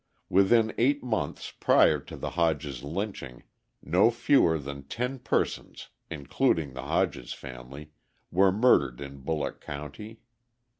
Within eight months prior to the Hodges lynching, no fewer than ten persons (including the Hodges family) were murdered in Bulloch County.